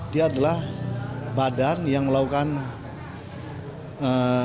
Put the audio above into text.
dia adalah badan yang melakukan